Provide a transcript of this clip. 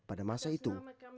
pada masa itu